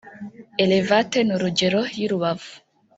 Elevate n’Urugero y'i Rubavu